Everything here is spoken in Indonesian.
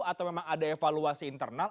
atau memang ada evaluasi internal